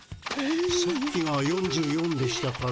さっきが４４でしたから。